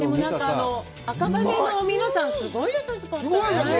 赤羽の皆さん、すごい優しかったね。